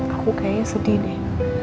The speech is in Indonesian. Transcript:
aku kayaknya sedih deh